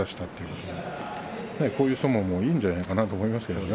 こういう相撲もいいんじゃないかなと思います。